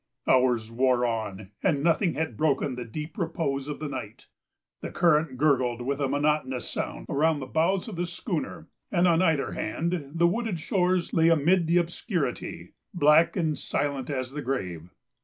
Hours wore on, and nothing had broken the deep repose of the night. The current gurgled with a monotonous sound around the bows of the schooner, and on either hand the wooded shores lay amid the obscurity, black and silent as the grave.